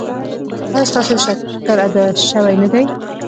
ایا ستاسو شکر ادا شوی نه دی؟